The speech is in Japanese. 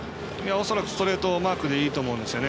恐らくストレートマークでいいと思うんですよね。